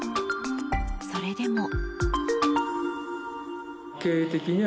それでも。